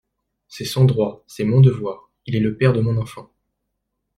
C'est son droit, c'est mon devoir, il est le père de mon enfant.